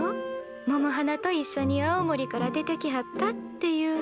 百はなと一緒に青森から出てきはったってゆう。